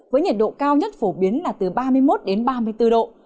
với nhiệt độ cao nhất phổ biến là từ ba mươi một đến ba mươi bốn độ